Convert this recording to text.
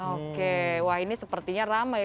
oke wah ini sepertinya ramai